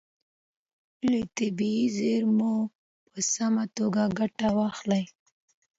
له طبیعي زیرمو په سمه توګه ګټه واخلئ.